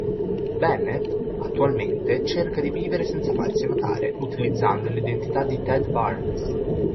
Bennet, attualmente cerca di vivere senza farsi notare, utilizzando l'identità di Ted Barnes.